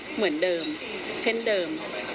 เหมือนเดิมเช่นเดิม